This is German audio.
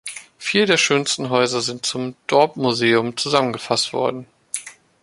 Vier der schönsten Häuser sind zum "Dorp Museum" zusammengefasst worden.